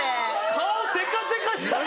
顔テカテカしてる！